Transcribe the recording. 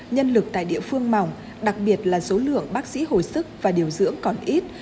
nhân lực tại địa phương mỏng đặc biệt là số lượng bác sĩ hồi sức và điều dưỡng còn ít